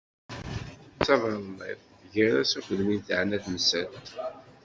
D tabaḍnit gar-as akked win teɛna temsalt.